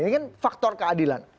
ini kan faktor keadilan